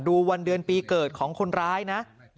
วันเดือนปีเกิดของคนร้ายนะ